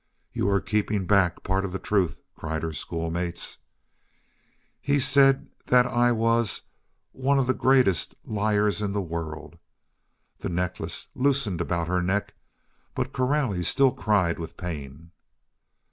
"You are keeping back part of the truth," cried her schoolmates. "He said that I was one of the greatest liars in the world." The necklace loosened about her neck, but Coralie still cried with pain.